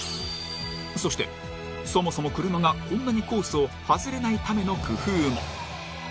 そして、そもそも車がこんなにコースを外れないための工夫も。